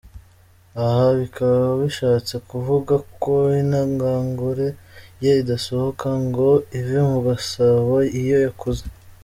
Aha bikaba bishatse kuvuga ko intangangore ye idasohoka ngo ive mu gasabo iyo yakuze.